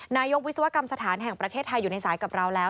นายกวิศวกรรมสถานแห่งประเทศไทยอยู่ในสายกับเราแล้ว